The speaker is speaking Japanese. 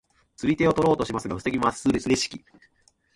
釣り手を取ろうとしますが防ぎますレシキ。